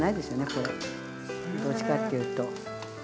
これどっちかっていうと。